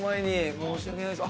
申し訳ないです。